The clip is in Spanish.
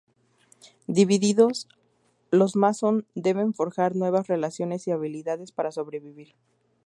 Divididos, los Mason deben forjar nuevas relaciones y habilidades para sobrevivir.